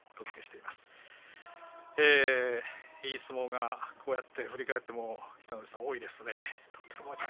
いい相撲がこうやって振り返っても多いですね。